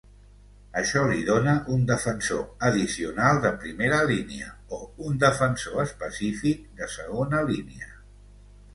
Això li dona un defensor addicional de primera línia o un defensor específic de segona línia.